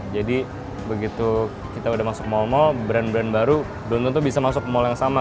jadi begitu kita udah masuk mall mall brand brand baru belum tentu bisa masuk mall yang sama